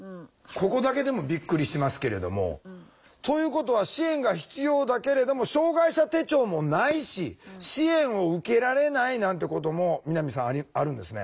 ここだけでもびっくりしますけれども。ということは支援が必要だけれども障害者手帳もないし支援を受けられないなんてことも南さんあるんですね？